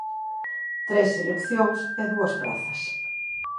Tres seleccións e dúas prazas.